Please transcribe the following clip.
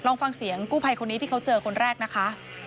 ลองฟังเสียงกู้ภัยคนนี้ที่เขาเจอคนแรกนะคะ